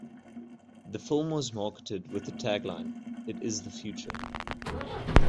The film was marketed with the tagline It is the future.